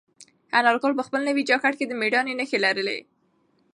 انارګل په خپل نوي جاکټ کې د مېړانې نښې لرلې.